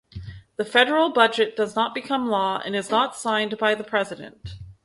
The federal budget does not become law and is not signed by the President.